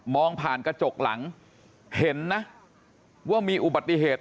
ผ่านกระจกหลังเห็นนะว่ามีอุบัติเหตุ